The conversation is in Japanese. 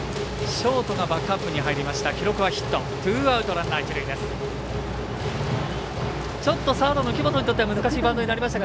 ショートがバックアップに入りました。